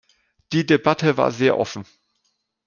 Die Debatte war sehr offen.